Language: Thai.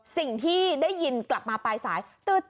สิ่งที่ได้ยินกลับมาปลายสาย